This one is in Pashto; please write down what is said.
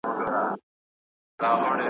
د پیر بابا له برکته بارانونه لیکي .